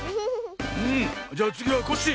うんじゃあつぎはコッシー。